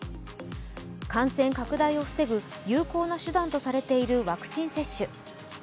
感染拡大を防ぐ、有効な手段とされているワクチン接種。